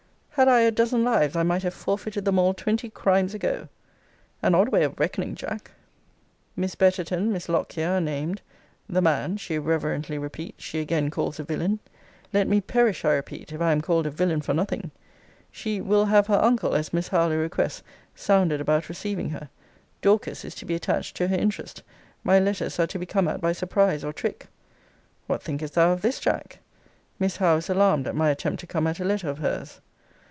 'Had I a dozen lives, I might have forfeited them all twenty crimes ago.' An odd way of reckoning, Jack! * See Letter XXIII. of this volume. Miss Betterton, Miss Lockyer, are named the man, (she irreverently repeats) she again calls a villain. Let me perish, I repeat, if I am called a villain for nothing! She 'will have her uncle,' as Miss Harlowe requests, 'sounded about receiving her. Dorcas is to be attached to her interest: my letters are to be come at by surprise or trick' What thinkest thou of this, Jack? Miss Howe is alarmed at my attempt to come at a letter of hers.